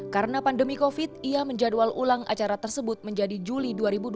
karena pandemi covid ia menjadwal ulang acara tersebut menjadi juli dua ribu dua puluh satu